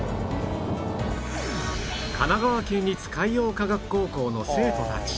神奈川県立海洋科学高校の生徒たち